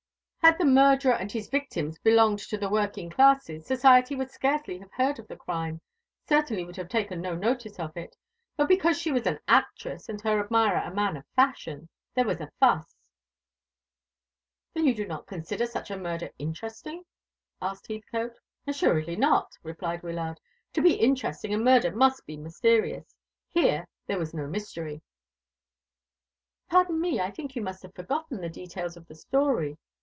Had the murderer and his victims belonged to the working classes, society would scarcely have heard of the crime, certainly would have taken no notice of it. But because she was an actress and her admirer a man of fashion, there was a fuss." "Then you do not consider such a murder interesting?" asked Heathcote. "Assuredly not," replied Wyllard. "To be interesting a murder must be mysterious. Here there was no mystery." "Pardon me. I think you must have forgotten the details of the story.